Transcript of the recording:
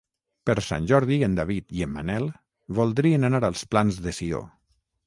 Per Sant Jordi en David i en Manel voldrien anar als Plans de Sió.